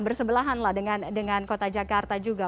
bersebelahan lah dengan kota jakarta juga